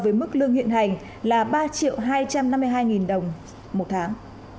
với mức lương hiện hành là ba hai trăm năm mươi hai đồng một tháng